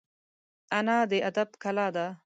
انا د ادب کلا ده